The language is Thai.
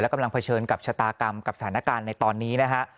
กำลังเผชิญกับชะตากรรมกับสถานการณ์ในตอนนี้นะฮะ